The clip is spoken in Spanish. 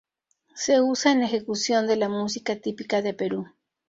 Se usa en la ejecución de la música típica de Perú.